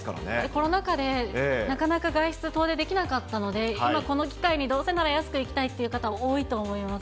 コロナ禍で、なかなか外出、遠出できなかったので、今、この機会にどうせなら安く行きたいっていう方、多いと思います。